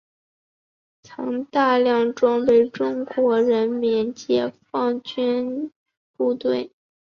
曾大量装备中国人民解放军部队。